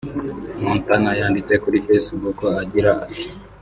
Montana yanditse kuri facebook agira ati